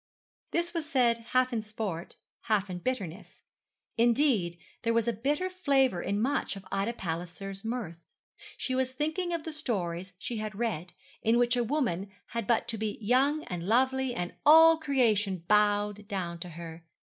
This was said half in sport, half in bitterness; indeed, there was a bitter flavour in much of Ida Palliser's mirth. She was thinking of the stories she had read in which a woman had but to be young and lovely, and all creation bowed down to her.